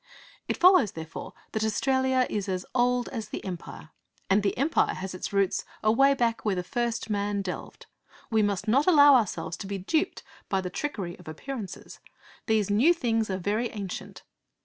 It follows, therefore, that Australia is as old as the Empire. And the Empire has its roots away back where the first man delved. We must not allow ourselves to be duped by the trickery of appearances. These new things are very ancient.